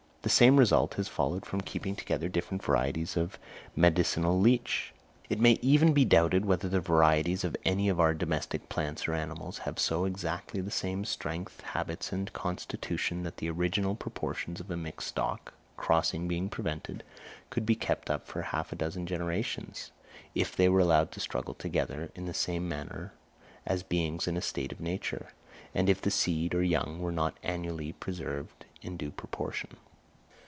The same result has followed from keeping together different varieties of the medicinal leech. It may even be doubted whether the varieties of any of our domestic plants or animals have so exactly the same strength, habits, and constitution, that the original proportions of a mixed stock (crossing being prevented) could be kept up for half a dozen generations, if they were allowed to struggle together, in the same manner as beings in a state of nature, and if the seed or young were not annually preserved in due proportion.